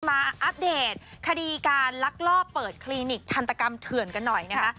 อัปเดตคดีการลักลอบเปิดคลินิกทันตกรรมเถื่อนกันหน่อยนะคะ